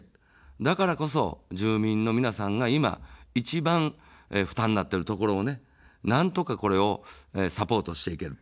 だからこそ、住民の皆さんが今、一番負担になっているところをなんとかこれをサポートしていける。